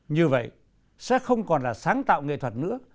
như vậy sẽ không còn là sáng tạo nghệ thuật nữa